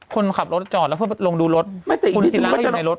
คนขับรถจอดแล้วเพื่อไปลงดูรถไม่แต่อีกนิดนึงคุณศิลาจะอยู่ในรถ